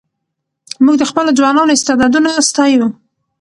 موږ د خپلو ځوانانو استعدادونه ستایو.